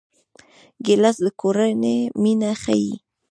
ګیلاس د کورنۍ مینه ښيي.